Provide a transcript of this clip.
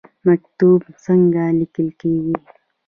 مکتوب څنګه لیکل کیږي؟